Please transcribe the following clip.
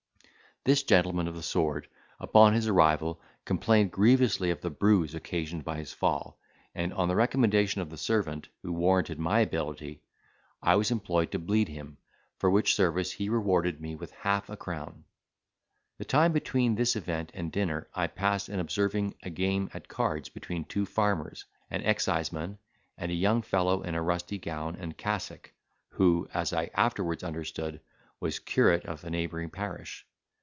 This gentleman of the sword, upon his arrival, complained grievously of the bruise occasioned by his fall; and, on the recommendation of the servant, who warranted my ability, I was employed to bleed him, for which service he rewarded me with half a crown. The time between this event and dinner I passed in observing a game at cards between two farmers, an exciseman, and a young fellow in a rusty gown and cassock, who, as I afterwards understood, was curate of a neighbouring parish.